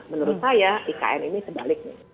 menurut saya ikn ini sebaliknya